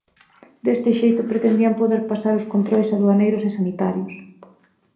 Deste xeito pretendían poder pasar os controis aduaneiros e sanitarios.